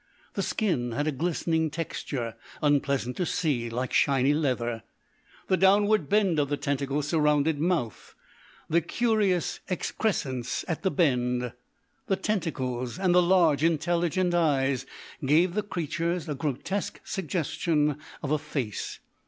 The skin had a glistening texture, unpleasant to see, like shiny leather. The downward bend of the tentacle surrounded mouth, the curious excrescence at the bend, the tentacles, and the large intelligent eyes, gave the creatures a grotesque suggestion of a face.